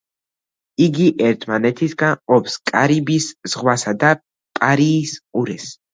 იგი ერთმანეთისგან ყოფს კარიბის ზღვასა და პარიის ყურეს.